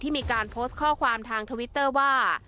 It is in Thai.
ที่มีโค้สข้อความทางทวิตเตอร์ว่า